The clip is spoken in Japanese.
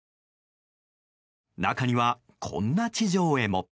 中には、こんな地上絵も。